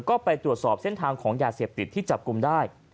ก็ไปตรวจสอบเส้นทางของยาเสพติดที่จับกลุ่มได้